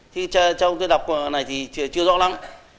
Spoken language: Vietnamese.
thì cho ông tôi đọc này thì chưa rõ lắm